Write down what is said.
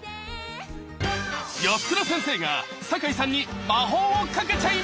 安倉先生が坂井さんに魔法をかけちゃいます！